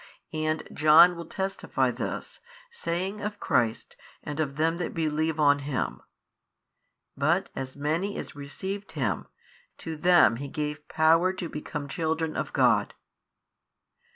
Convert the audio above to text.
And John will testify this, saying of Christ and of them that believe on Him, But as many as received Him, to them He gave power to become children of God.